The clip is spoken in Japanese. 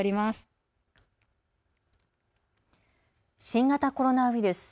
新型コロナウイルス。